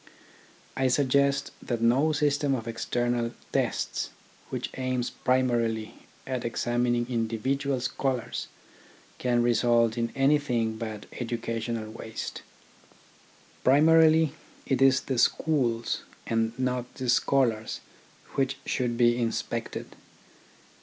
I suggest that no system of external tests which aims primarily at examining individual scholars can result in anything but educational waste. Primarily it is the schools and not the scholars which should be inspected.